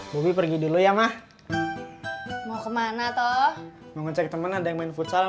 bobi pergi dulu ya mah mau kemana tuh mau ngecek temen ada yang main futsal